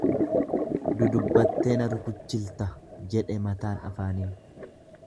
Dudubbattee na rukuchilta, jette mataan afaanin.